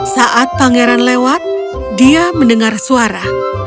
saat pangeran lewat dia mendengar suara